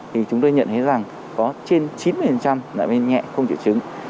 thì chúng tôi nhận thấy rằng có trên chín mươi là bệnh nhân nhẹ không chịu chứng